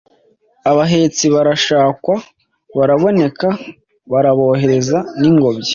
Abahetsi barashakwa baraboneka. Barabohereza n'ingobyi.